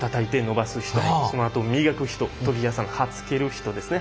そのあと磨く人研ぎ屋さん刃付ける人ですね